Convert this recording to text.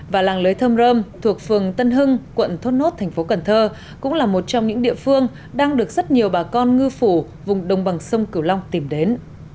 và làng lưới thơm rơm thuộc phường tân hưng quận thốt nốt thành phố cần thơ cũng là một trong những địa phương đang được rất nhiều bà con ngư phủ vùng đồng bằng sông cửu long tìm đến